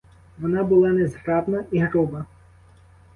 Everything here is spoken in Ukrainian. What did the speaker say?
Вона була незграбна і груба.